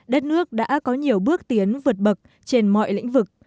đất nước đã có nhiều bước tiến vượt bậc trên mọi lĩnh vực